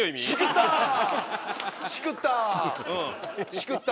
しくった！